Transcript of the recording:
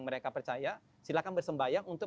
mereka percaya silakan bersembayang untuk